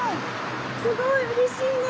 すごいうれしいね。